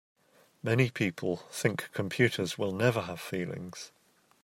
Many people think computers will never have feelings.